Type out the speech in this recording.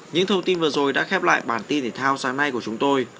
những thông tin vừa rồi đã khép lại bản tin thể thao sáng nay của chúng tôi